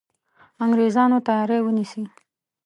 انګرېزانو تیاری ونیسي.